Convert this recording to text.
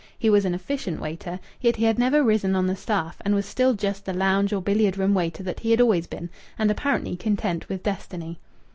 He was an efficient waiter; yet he had never risen on the staff, and was still just the lounge or billiard room waiter that he had always been and apparently content with Destiny.